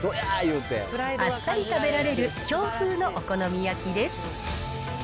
あっさり食べられる京風のお好み焼きです。